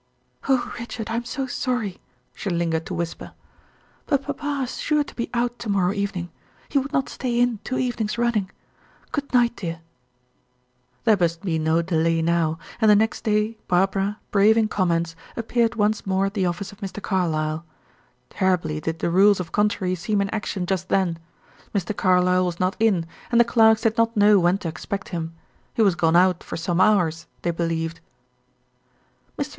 "Oh, Richard, I am so sorry!" she lingered to whisper. "But papa is sure to be out to morrow evening; he would not stay in two evenings running. Good night, dear." There must be no delay now, and the next day Barbara, braving comments, appeared once more at the office of Mr. Carlyle. Terribly did the rules of contrary seem in action just then. Mr. Carlyle was not in, and the clerks did not know when to expect him; he was gone out for some hours, they believed. "Mr.